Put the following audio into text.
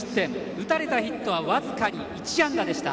打たれたヒットは僅かに１安打でした。